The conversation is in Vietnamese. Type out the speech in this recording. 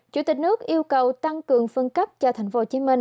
chủ tịch nước yêu cầu tăng cường phân cấp cho tp hcm